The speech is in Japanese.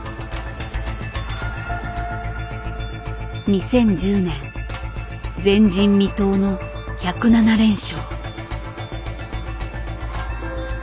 ２０１０年前人未到の１０７連勝。